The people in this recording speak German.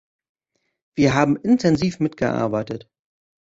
Wir haben intensiv mitgearbeitet.